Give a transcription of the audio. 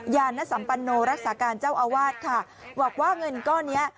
ยานสัมปันโนรักษาการเจ้าอาวาสค่ะบอกว่าเงินก้อนเนี้ย